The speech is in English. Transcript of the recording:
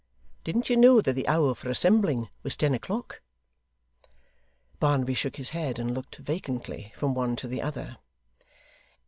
Didn't you know that the hour for assembling was ten o'clock?' Barnaby shook his head and looked vacantly from one to the other.